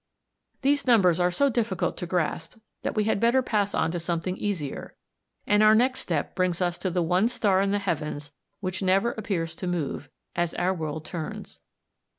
These numbers are so difficult to grasp that we had better pass on to something easier, and our next step brings us to the one star in the heavens which never appears to move, as our world turns.